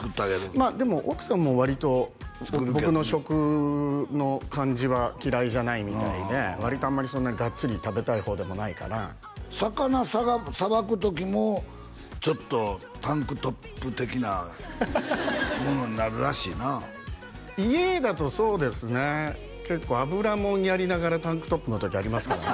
まあでも奥さんも割と僕の食の感じは嫌いじゃないみたいで割とあんまりそんなにガッツリ食べたい方でもないから魚さばく時もちょっとタンクトップ的なものになるらしいな家だとそうですね結構油物やりながらタンクトップの時ありますからね